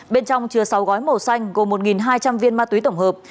bên trong chứa sáu gói màu xanh gồm một hai trăm linh viên ma túy tổng hợp